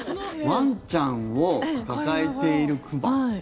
ワンちゃんを抱えている熊。